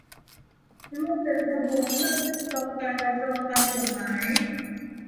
ร่วมเดินขบวนเพื่อเรียกร้องการรับรองตามกฎหมาย